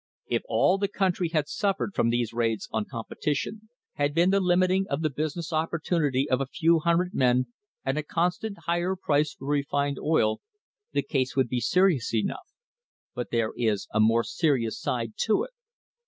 If all the country had suffered from these raids on compe tition, had been the limiting of the business opportunity of a few hundred men and a constant higher price for refined oil, the case would be serious enough, but there is a more serious side to it.